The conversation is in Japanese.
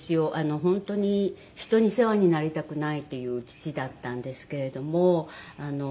本当に人に世話になりたくないっていう父だったんですけれども。